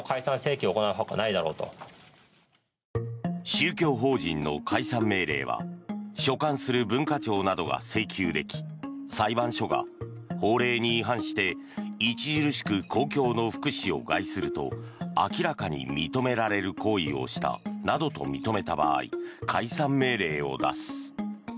宗教法人の解散命令は所管する文化庁などが請求でき裁判所が法令に違反して著しく公共の福祉を害すると明らかに認められる行為をしたなどと認めた場合解散命令を出す。